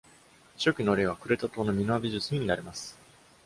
初期の例はクレタ島のミノア美術に見られます。